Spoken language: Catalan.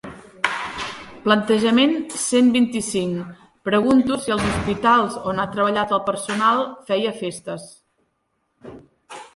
Plantejament cent vint-i-cinc pregunto si als hospitals on ha treballat el personal feia festes.